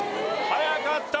早かった。